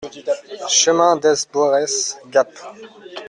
Chemin Dès Boeres, Gap